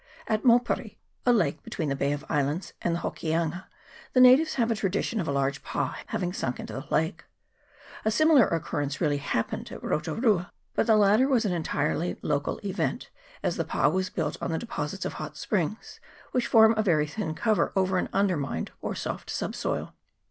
At Mau pere, a lake between the Bay of Islands and Hoki anga, the natives have a tradition of a large pa having sunk into the lake. A similar occurrence really happened at Rotu rua, but the latter was an event entirely local, as the pa was built on the de posits of hot springs, which form a very thin cover over an undermined or soft subsoil.